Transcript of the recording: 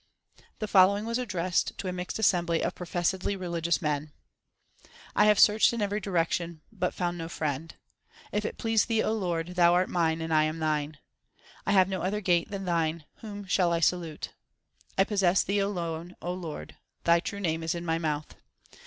The following was addressed to a mixed assembly of professedly religious men : I have searched in every direction, but found no friend. If it please Thee, O Lord, Thou art mine and I am Thine. I have no other gate than Thine ; whom shall I salute ? I possess Thee alone, O Lord ; Thy true name is in my mouth.